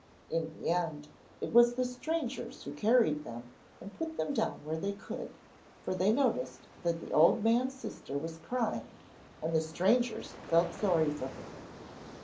In the end, it was the strangers who carried them and put them down where they could; and they noticed that the old man's sister was crying, and the strangers felt sorry for her.